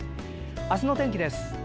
明日の天気です。